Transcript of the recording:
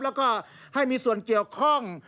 แล้วก็ให้มีส่วนเกี่ยวข้อง